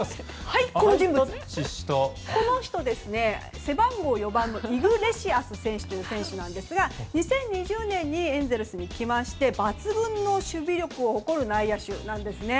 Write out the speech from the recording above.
この人は背番号４番のイグレシアス選手という選手なんですが２０２０年にエンゼルスに来まして抜群の守備力を誇る内野手なんです。